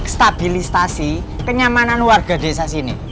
stabilisasi kenyamanan warga desa sini